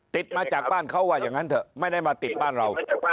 ติดมาจากบ้านเขาว่าอย่างนั้นเถอะไม่ได้มาติดบ้านเรา